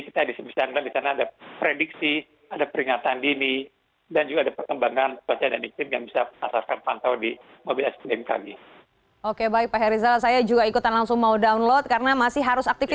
kemudian juga masyarakat bisa menginstal aplikasi ini